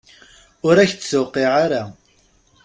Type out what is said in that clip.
Ur ak-d-tuqiɛ ara.